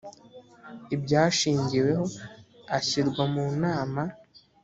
ibyashingiweho ashyirwa mu nama